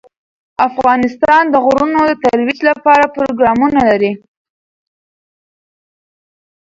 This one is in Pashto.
افغانستان د غرونه د ترویج لپاره پروګرامونه لري.